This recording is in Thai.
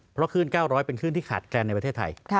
เพราะคลื่น๙๐๐เป็นคลื่นที่ขาดแคลนในประเทศไทย